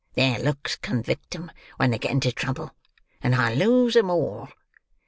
Their looks convict 'em when they get into trouble, and I lose 'em all.